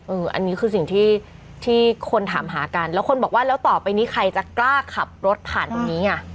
อันนี้คือสิ่งที่คนถามหากันแล้วคนบอกว่าแล้วต่อไปนี้ใครจะกล้าขับรถผ่านตรงนี้อ่ะ